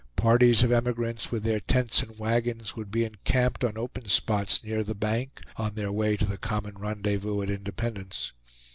Parties of emigrants, with their tents and wagons, would be encamped on open spots near the bank, on their way to the common rendezvous at Independence.